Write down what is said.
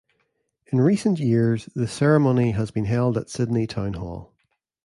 In recent years, the ceremony has been held at Sydney Town Hall.